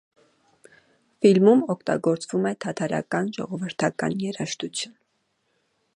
Ֆիլմում օգտագործվում է թաթարական ժողովրդական երաժշտություն։